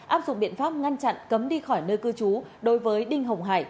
áp dụng biện pháp ngăn chặn cấm đi khỏi nơi cư trú đối với đinh hồng hải